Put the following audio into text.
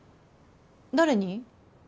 誰に？